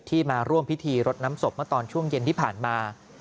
ที่มาร่วมภิธีรดน้ำศพตอนช่วงเย็นที่ผ่านมา